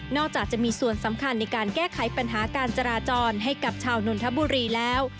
จากจะมีส่วนสำคัญในการแก้ไขปัญหาการจราจรให้กับชาวนนทบุรีแล้ว